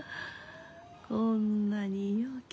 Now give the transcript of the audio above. こんなにようけ